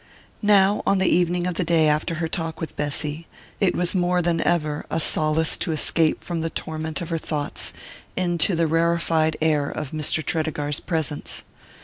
Now, on the evening of the day after her talk with Bessy, it was more than ever a solace to escape from the torment of her thoughts into the rarefied air of Mr. Tredegar's presence.